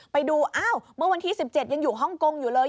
ไปดูเอ้าวันที่๑๗ยังอยู่ห้องกงอยู่เลย